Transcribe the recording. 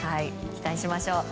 期待しましょう。